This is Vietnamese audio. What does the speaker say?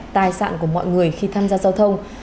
tài sản của mọi người khi tham gia giao thông